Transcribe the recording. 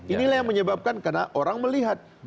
inilah yang menyebabkan karena orang melihat